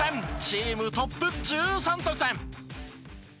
チームトップ１３得点。